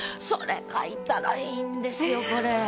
それ書いたらいいんですよこれ。